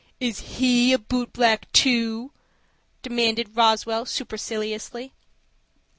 "Is he a boot black, too?" demanded Roswell, superciliously.